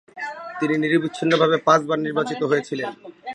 তিনি নিরবচ্ছিন্নভাবে পাঁচবার নির্বাচিত হয়েছিলেন।